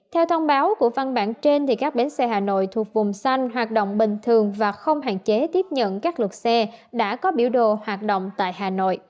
theo thông báo của văn bản trên các bến xe hà nội thuộc vùng xanh hoạt động bình thường và không hạn chế tiếp nhận các lượt xe đã có biểu đồ hoạt động tại hà nội